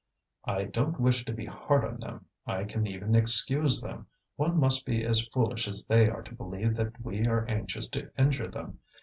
"I don't wish to be hard on them, I can even excuse them; one must be as foolish as they are to believe that we are anxious to injure them.